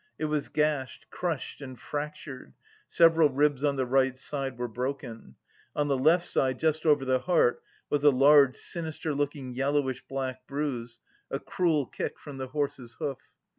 It was gashed, crushed and fractured, several ribs on the right side were broken. On the left side, just over the heart, was a large, sinister looking yellowish black bruise a cruel kick from the horse's hoof.